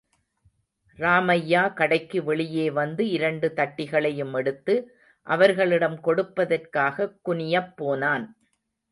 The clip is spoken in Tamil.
ராமய்யா, கடைக்கு வெளியே வந்து, இரண்டு தட்டிகளையும் எடுத்து, அவர்களிடம் கொடுப்பதற்காக குனியப் போனான்.